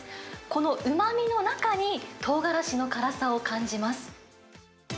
このうまみの中に、とうがらしの辛さを感じます。